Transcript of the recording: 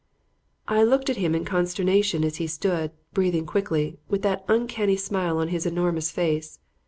I looked at him in consternation as he stood, breathing quickly, with that uncanny smile on his enormous face.